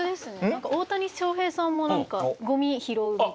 何か大谷翔平さんもごみ拾うみたいな。